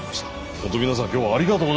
本当皆さん今日はありがとうございました。